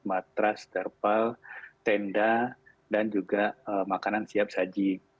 matras derpal tenda dan juga makanan siap saji